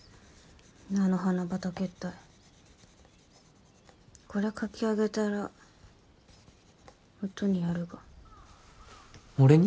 菜の花畑ったいこれ描きあげたら音にやるが俺に？